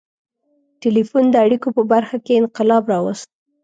• ټیلیفون د اړیکو په برخه کې انقلاب راوست.